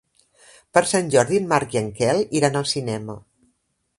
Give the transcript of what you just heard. Per Sant Jordi en Marc i en Quel iran al cinema.